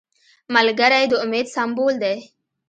ملګری د امید سمبول دی